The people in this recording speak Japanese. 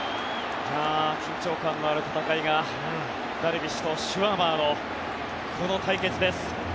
緊張感のある戦いがダルビッシュとシュワバーのこの対決です。